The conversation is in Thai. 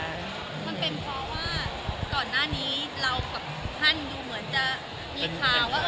มันเป็นเพราะว่าก่อนหน้านี้เรากับท่านดูเหมือนจะมีข่าวว่า